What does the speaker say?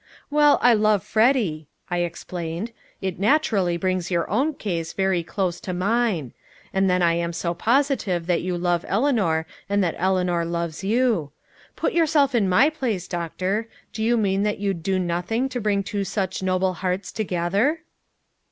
"Well, I love Freddy," I explained. "It naturally brings your own case very close to me. And then I am so positive that you love Eleanor and that Eleanor loves you. Put yourself in my place, Doctor! Do you mean that you'd do nothing to bring two such noble hearts together?"